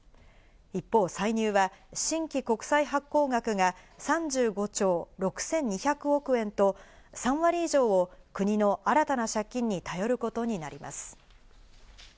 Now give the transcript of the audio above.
一方、歳入は新規国債発行額が３５兆６２００億円と３割以上を国の新たな借金に頼ることになります。